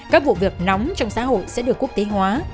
các vụ việc nóng trong xã hội sẽ được quốc tế hóa